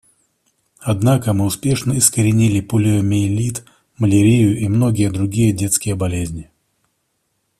Однако мы успешно искоренили полиомиелит, малярию и многие другие детские болезни.